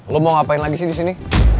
lo mau ngapain lagi sih disini